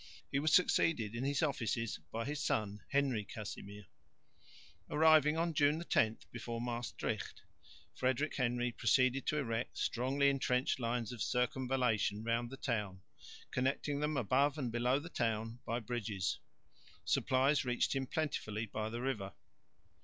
He was succeeded in his offices by his son, Henry Casimir. Arriving (June 10) before Maestricht, Frederick Henry proceeded to erect strongly entrenched lines of circumvallation round the town connecting them above and below the town by bridges. Supplies reached him plentifully by the river.